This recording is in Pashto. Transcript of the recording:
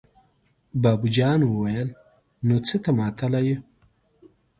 بابو جان وويل: نو څه ته ماتله يو!